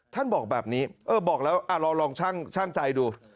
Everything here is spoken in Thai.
ท่านบอกแบบนี้เออบอกแล้วลองช่างใจดู